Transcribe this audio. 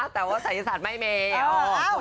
แต่ว่าสายศาสตร์ไม่เมล์